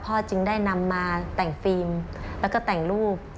จึงได้นำมาแต่งฟิล์มแล้วก็แต่งรูป